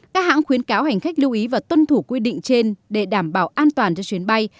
các hãng khuyến cáo hành khách lưu ý và tuân thủ quy định trên để đảm bảo an toàn cho chuyến bay